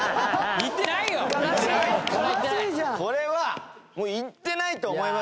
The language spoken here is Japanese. これはもういってないと思いますね。